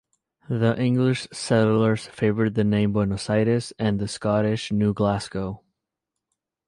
The English settlers favoured the name "Buenos Aires" and the Scottish "New Glasgow".